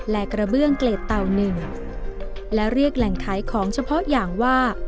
และกระเบื้องเกรดเต่าหนึ่งและเรียกแหล่งขายของเฉพาะอย่างว่า